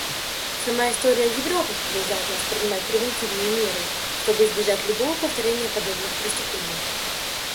Сама история Европы побуждает нас принимать превентивные меры, чтобы избежать любого повторения подобных преступлений.